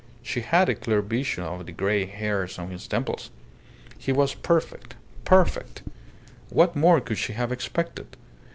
She had a clear vision of the grey hairs on his temples. He was perfect perfect. What more could she have expected?